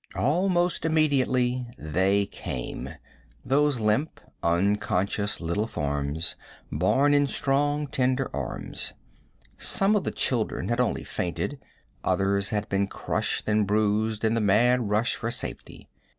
Almost immediately they came those limp, unconscious little forms borne in strong, tender arms. Some of the children had only fainted; others had been crushed and bruised in the mad rush for safety.